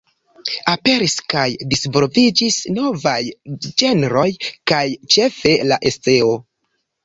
Aperis kaj disvolviĝis novaj ĝenroj kaj ĉefe la eseo.